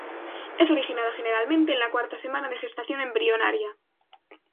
Es originada generalmente en la cuarta semana de gestación embrionaria.